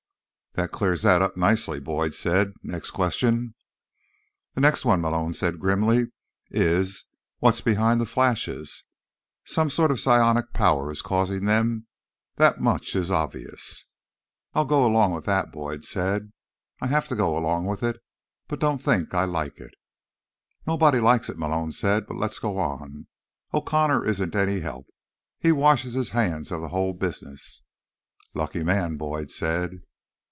"That clears that up nicely," Boyd said. "Next question?" "The next one," Malone said grimly, "is, what's behind the flashes? Some sort of psionic power is causing them, that much is obvious." "I'll go along with that," Boyd said. "I have to go along with it. But don't think I like it." "Nobody likes it," Malone said. "But let's go on. O'Connor isn't any help; he washes his hands of the whole business." "Lucky man," Boyd said.